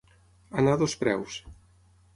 Anar a dos preus.